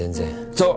そう。